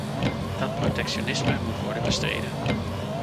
Dat protectionisme moet worden bestreden.